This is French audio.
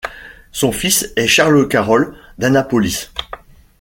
Son fils est Charles Carroll d'Annapolis.